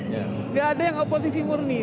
tidak ada yang oposisi murni